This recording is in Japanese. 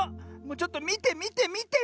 ちょっとみてみてみて。